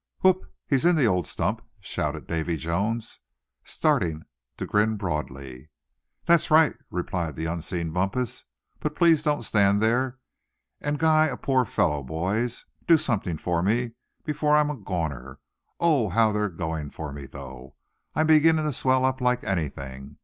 "Whoop! he's in the old stump!" shouted Davy Jones, starting to grin broadly. "That's right," replied the unseen Bumpus; "but please don't stand there, and guy a poor feller, boys. Do something for me before I'm a goner. Oh! how they are going for me though! I'm beginning to swell up like anything!